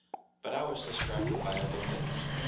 But I was distracted by other things.